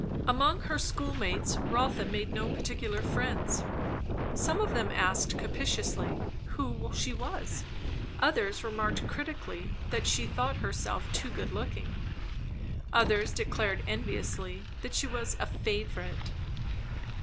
Among her schoolmates Rotha made no particular friends. Some of them asked captiously who she was? others remarked critically that she thought herself too good looking; others declared enviously that she was a "favourite."